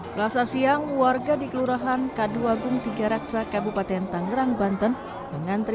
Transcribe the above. selasa siang warga di kelurahan kaduagung tiga raksa kabupaten tangerang banten mengantri